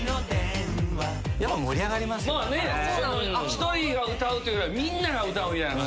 １人が歌うというよりはみんなが歌うみたいな感じで。